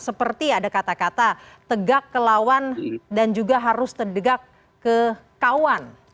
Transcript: seperti ada kata kata tegak ke lawan dan juga harus tegak ke kawan